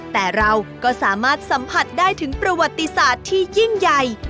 แต่เราก็สามารถสัมผัสได้ถึงประวัติศาสตร์ที่ยิ่งใหญ่